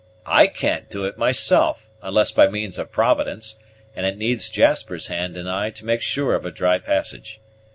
I can't do it myself unless by means of Providence, and it needs Jasper's hand and eye to make sure of a dry passage.